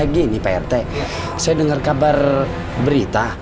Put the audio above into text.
gini pak rt saya dengar kabar berita